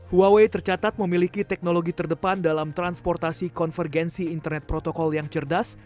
huawei tercatat memiliki teknologi terdepan dalam transportasi konvergensi internet protokol yang cerdas